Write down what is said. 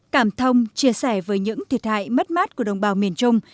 cảm thông chia sẻ với những thiệt hại mất mát của đồng bào miền trung